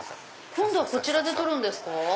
今度はそちらで撮るんですか？